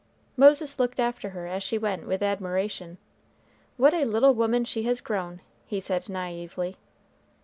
Moses looked after her as she went with admiration. "What a little woman she has grown!" he said, naïvely.